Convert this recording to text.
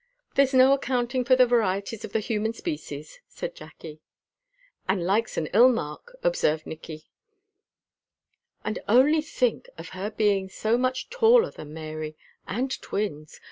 "There's no accounting for the varieties of the human species," said Jacky. "And like's an ill mark," observed Nicky. "And only think of her being so much taller than Mary, and twins!